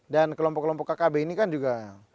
dan kelompok kelompok kkb ini kan juga